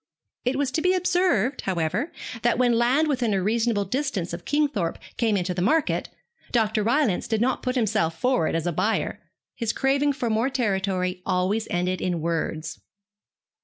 It was to be observed, however, that when land within a reasonable distance of Kingthorpe came into the market, Dr. Rylance did not put himself forward as a buyer. His craving for more territory always ended in words.